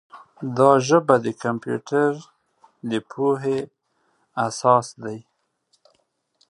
دا ژبه د کمپیوټر د پوهې اساس دی.